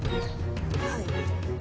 はい。